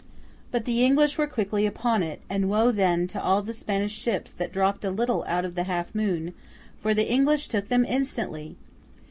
But the English were quickly upon it, and woe then to all the Spanish ships that dropped a little out of the half moon, for the English took them instantly!